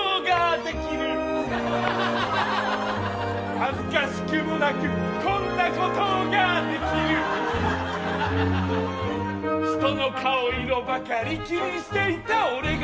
「恥ずかしくもなくこんなことができる」「人の顔色ばかり気にしていた俺が」